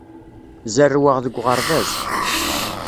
Zerrweɣ deg uɣerbaz.